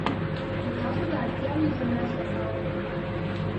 که تاسو ته اړتیا وي، زه مرسته کوم.